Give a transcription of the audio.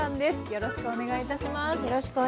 よろしくお願いします。